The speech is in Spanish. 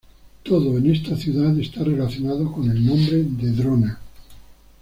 Todo en esta ciudad está relacionado con el nombre de Drona.